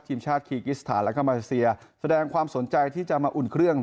ทีมชาติคีกิสถานและเข้ามาเลเซียแสดงความสนใจที่จะมาอุ่นเครื่อง